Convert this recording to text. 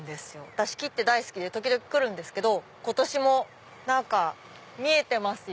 私ＫＩＴＴＥ大好きで時々来るんですけど今年も何か見えてますよ。